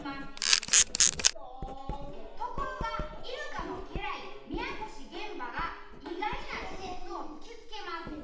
ところが入鹿の家来宮越玄蕃が意外な事実を突きつけます。